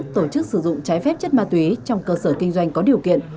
tổ chức sử dụng trái phép chất ma túy trong cơ sở kinh doanh có điều kiện